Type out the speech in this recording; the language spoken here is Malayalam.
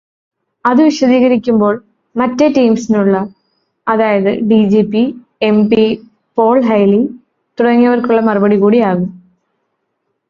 അതു വിശദീകരിക്കുമ്പോൾ മറ്റേ റ്റീംസിനുള്ള, അതായത് ഡിജിപി, എം.പി, പോൾ ഹൈലി തുടങ്ങിയവർക്കുള്ള മറുപടി കൂടി ആകും.